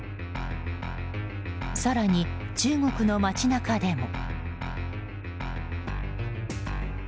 更に、中国の街中でも。